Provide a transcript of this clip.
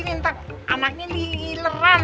minta anaknya diileran